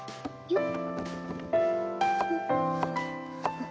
よっ。